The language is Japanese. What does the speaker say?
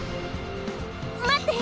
待って！